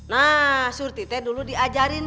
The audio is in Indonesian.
nah surti teh dulu diajarin